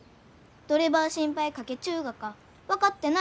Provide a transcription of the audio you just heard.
どればあ心配かけちゅうがか分かってないがよ。